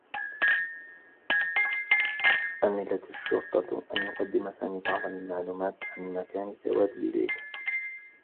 أملت الشّرطة أن يقدّم سامي بعض المعلومات عن مكان تواجد ليلى.